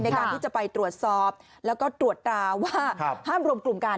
ในการที่จะไปตรวจสอบแล้วก็ตรวจตราว่าห้ามรวมกลุ่มกัน